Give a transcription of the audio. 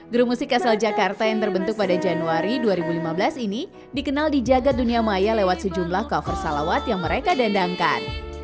grup musik asal jakarta yang terbentuk pada januari dua ribu lima belas ini dikenal di jagad dunia maya lewat sejumlah cover salawat yang mereka dandangkan